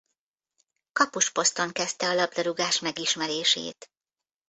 Kapus poszton kezdte a labdarúgás megismerését.